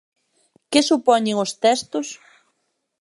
Que supoñen os textos?